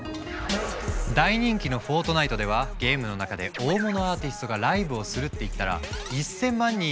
大人気の「フォートナイト」ではゲームの中で大物アーティストがライブをするって言ったら。